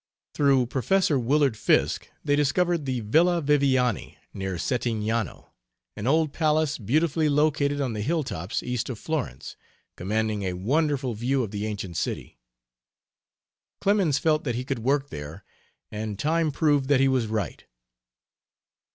Through Prof. Willard Fiske, they discovered the Villa Viviani, near Settignano, an old palace beautifully located on the hilltops east of Florence, commanding a wonderful view of the ancient city. Clemens felt that he could work there, and time proved that he was right.